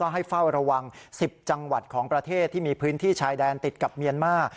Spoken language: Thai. ให้เฝ้าระวัง๑๐จังหวัดของประเทศที่มีพื้นที่ชายแดนติดกับเมียนมาร์